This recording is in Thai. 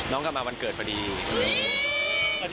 กลับมาวันเกิดพอดี